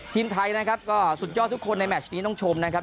ทีมไทยนะครับก็สุดยอดทุกคนในแมชนี้ต้องชมนะครับ